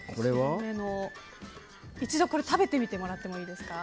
一度食べてみてもらっていいですか。